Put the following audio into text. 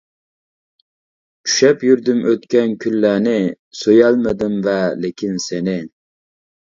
چۈشەپ يۈردۈم ئۆتكەن كۈنلەرنى سۆيەلمىدىم ۋە لېكىن سېنى.